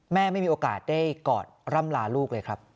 ไม่มีโอกาสได้กอดร่ำลาลูกเลยครับ